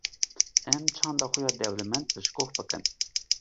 em çanda xwe ya dewlemed piştgoh bikin.